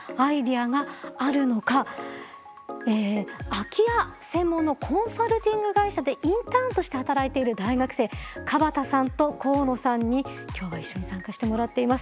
空き家専門のコンサルティング会社でインターンとして働いている大学生椛田さんと河野さんに今日は一緒に参加してもらっています。